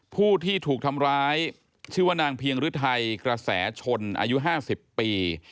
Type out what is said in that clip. ผู้ที่ถูกทำร้ายชื่อว่านางเพียงฤทัยกระแสชนอายุ๕๐ปี